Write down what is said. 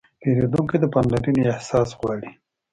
پیرودونکی د پاملرنې احساس غواړي.